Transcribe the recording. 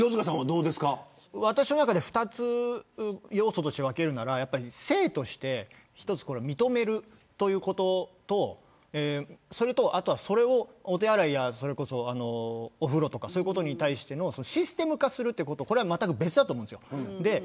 私の中で２つ要素として分けるなら性として認めるということとそれをお手洗いやお風呂とかそういうことに対してシステム化するというのは別だと思います。